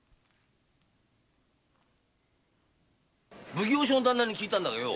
奉行所の旦那に聞いたんだがよ